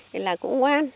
thế là cũng ngoan